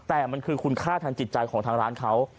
แต่มันคือคุณค่าทางจิตใจของทางร้านเขา